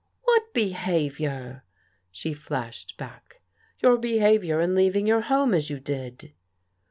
" What behaviour? " she flashed back. " Your behaviour in leaving your home as you did."